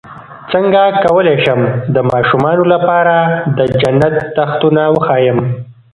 څنګه کولی شم د ماشومانو لپاره د جنت تختونه وښایم